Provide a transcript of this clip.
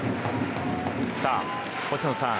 さあ星野さん。